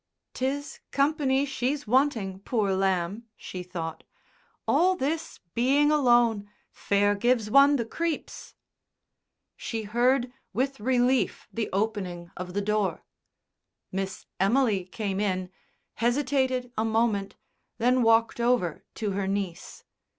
"'Tis company she's wanting, poor lamb," she thought, "all this being alone.... Fair gives one the creeps." She heard with relief the opening of the door. Miss Emily came in, hesitated a moment, then walked over to her niece.